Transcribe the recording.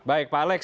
baik pak alex